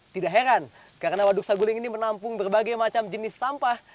tidak heran karena waduk saguling ini menampung berbagai macam jenis sampah